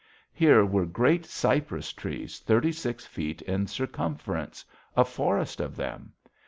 Here were great cypress trees thirty six feet in circumference a forest of them.